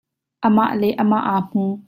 Amah le amah aa hmu.